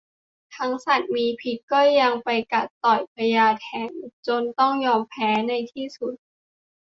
ทั้งสัตว์มีพิษก็ยังไปกัดต่อยพญาแถนจนต้องยอมแพ้ในที่สุด